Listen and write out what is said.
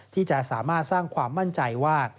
ที่จะสามารถสร้างความมั่นใจว่า